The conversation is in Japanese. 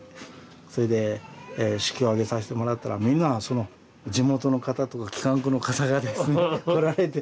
それで式を挙げさせてもらったらみんなその地元の方とか機関区の方がですね来られて。